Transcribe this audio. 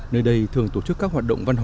nơi đây thường tổ chức các hoạt động văn hóa